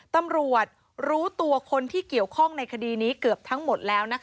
ตำรวจรู้ตัวคนที่เกี่ยวข้องในคดีนี้เกือบทั้งหมดแล้วนะคะ